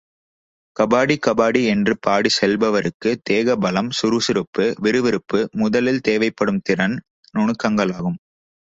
கபாடி கபாடி என்று பாடிச் செல்பவருக்கு தேக பலம், சுறுசுறுப்பு, விறுவிறுப்பு முதலில் தேவைப்படும் திறன் நுணுக்கங்களாகும்.